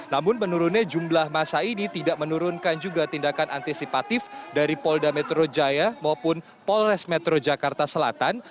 namun menurunnya jumlah masa ini tidak menurunkan juga tindakan antisipatif dari polda metro jaya maupun polres metro jakarta selatan